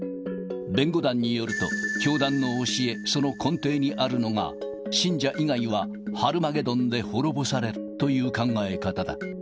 弁護団によると、教団の教え、その根底にあるのが、信者以外はハルマゲドンで滅ぼされるという考え方だ。